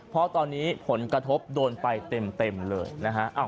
เพราะตอนนี้ผลกระทบโดนไปเต็มเลยนะฮะ